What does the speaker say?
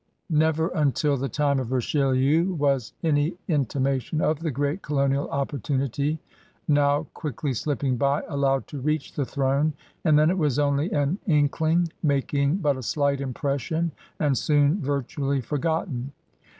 Never until the time of Richelieu was any intimation of the great colonial opportunity, now quickly slipping by, allowed to reach the throne, and then it was only an inkling, making but a slight impression and soon virtually for gotten.